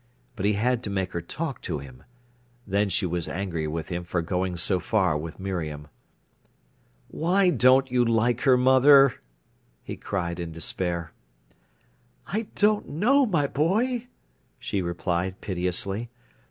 But he had to make her talk to him. Then she was angry with him for going so far with Miriam. "Why don't you like her, mother?" he cried in despair. "I don't know, my boy," she replied piteously.